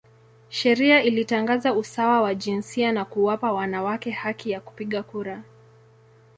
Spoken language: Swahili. Sheria ilitangaza usawa wa jinsia na kuwapa wanawake haki ya kupiga kura.